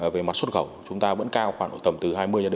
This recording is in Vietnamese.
về mặt xuất khẩu chúng ta vẫn cao khoảng tầm từ hai mươi năm mươi